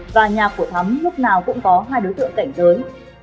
và nhà của thắm lúc nào cũng có hai đối tượng cảnh giới